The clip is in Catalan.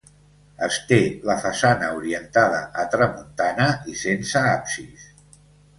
És Té la façana orientada a tramuntana i sense absis.